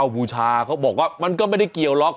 บูชาเขาบอกว่ามันก็ไม่ได้เกี่ยวหรอก